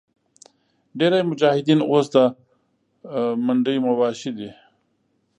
ډېری مجاهدین اوس د منډیي مواشي دي.